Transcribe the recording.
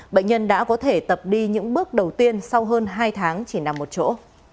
bệnh nhân đã có thể tập đi những bước đầu tiên sau hơn hai tháng chỉ nằm một chỗ